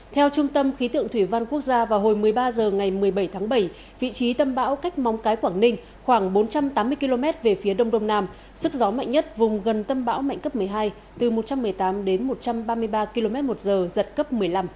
theo trung tâm khí tượng thủy văn quốc gia vào hồi một mươi ba h ngày một mươi bảy tháng bảy vị trí tâm bão cách mong cái quảng ninh khoảng bốn trăm tám mươi km về phía đông đông nam sức gió mạnh nhất vùng gần tâm bão mạnh cấp một mươi hai từ một trăm một mươi tám đến một trăm ba mươi ba km một giờ giật cấp một mươi năm